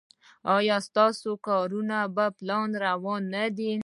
ایا ستاسو کارونه په پلان روان نه دي؟